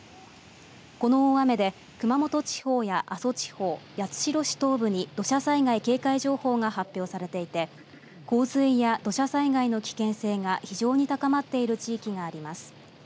この大雨で熊本地方や阿蘇地方八代市東部に土砂災害警戒情報が発表されていて洪水や土砂災害の危険性が非常に高まっている地域があります。